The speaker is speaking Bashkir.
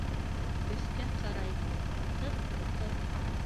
Өҫкә ҡарай: тып, тып...